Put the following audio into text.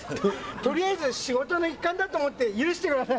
とりあえず仕事の一環だと思って許してください。